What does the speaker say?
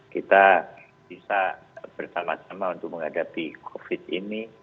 kita bisa bersama sama untuk menghadapi covid ini